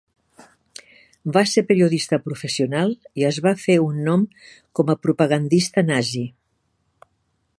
Va ser periodista professional i es va fer un nom com a propagandista nazi.